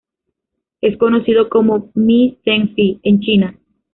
Es conocido como "mi zhen zi" en China.